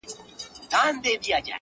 د دې کيسې يادوي،